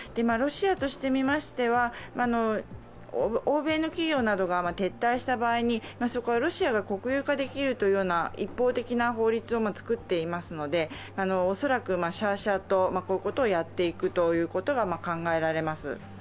ロシアとしてみましては、欧米の企業などが撤退した場合にそこはロシアが国有化できるという一方的な法律を作っていますので、恐らく、しゃあしゃあと、こういうことをやっていくことが予想されます。